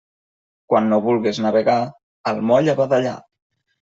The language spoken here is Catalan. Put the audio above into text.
Quan no vulgues navegar, al moll a badallar.